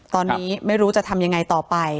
ตอนนี้ไม่รู้จะทำยังไงต่อไป